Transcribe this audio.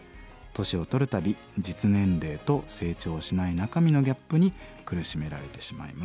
年を取る度実年齢と成長しない中身のギャップに苦しめられてしまいます」。